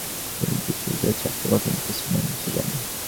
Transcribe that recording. তিনি বিশ্ববিদ্যালয়ের ছাত্র সংগঠনের প্রেসিডেন্ট ছিলেন।